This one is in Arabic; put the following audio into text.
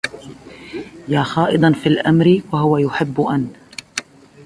يا خائضا في الأمر وهو يحب أن